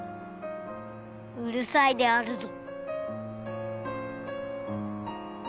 うるさいであるぞ。